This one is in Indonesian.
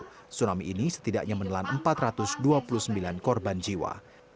tsunami ini setidaknya menelan empat ratus dua puluh sembilan korban jiwa